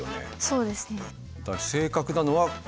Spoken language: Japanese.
そうですね。